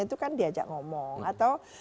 itu kan diajak ngomong atau